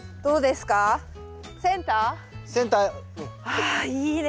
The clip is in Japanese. あいいね